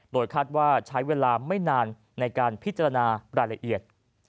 โดยคาดว่าใช้เวลาไม่นานในการพิจารณารายละเอียด